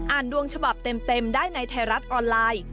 ดวงฉบับเต็มได้ในไทยรัฐออนไลน์